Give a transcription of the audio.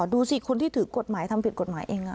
ดูสิคนที่ถือกฎหมายทำผิดกฎหมายเอง